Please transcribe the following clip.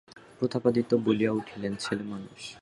প্রতাপাদিত্য বলিয়া উঠিলেন, ছেলেমানুষ!